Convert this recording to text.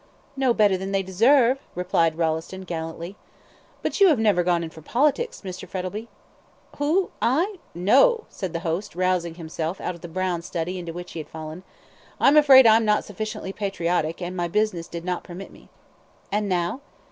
"No better than they deserve," replied Rolleston, gallantly. "But you have never gone in for politics, Mr. Frettlby?" "Who? I no," said the host, rousing himself out of the brown study into which he had fallen. "I'm afraid I'm not sufficiently patriotic, and my business did not permit me." "And now?"